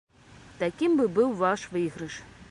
Такім бы быў ваш выйгрыш.